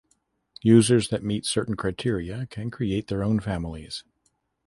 Users that meet certain criteria can create their own families.